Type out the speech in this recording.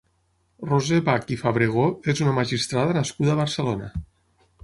Roser Bach i Fabregó és una magistrada nascuda a Barcelona.